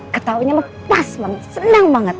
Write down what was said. ketawanya pas mak senang banget